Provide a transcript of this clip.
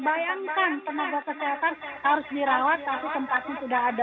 bayangkan tenaga kesehatan harus dirawat tapi tempatnya sudah ada